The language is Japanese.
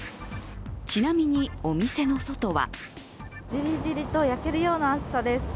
ちなみにお店の外はじりじりと焼けるような暑さです。